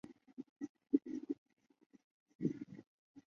牛顿对抛体运动中冲击深度的近似仅仅基于对动量因素的考量。